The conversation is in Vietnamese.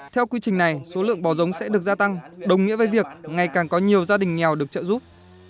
theo quy trình này số lượng bò giống sẽ được gia tăng đồng nghĩa với việc ngày càng có nhiều gia đình nghèo được trợ giúp